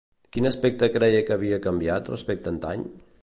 Quin aspecte creia que havia canviat respecte antany?